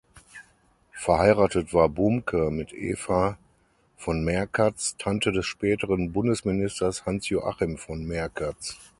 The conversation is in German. Verheiratet war Bumke mit Eva von Merkatz, Tante des späteren Bundesministers Hans-Joachim von Merkatz.